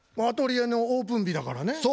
アトリエのオープン日だからね。